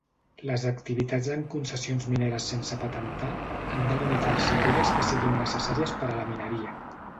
Les activitats en concessions mineres sense patentar han de limitar-se a aquelles que siguin necessàries per a la mineria.